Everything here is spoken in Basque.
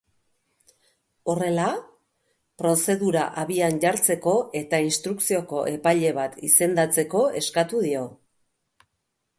Horrela, prozedura abian jartzeko eta instrukzioko epaile bat izendatzeko eskatu dio.